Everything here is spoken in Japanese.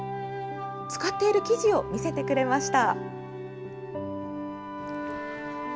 使っている生地を見せてくれました。